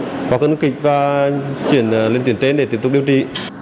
vào cơn nguyên kịch và chuyển lên tuyển tên để tiếp tục điều trị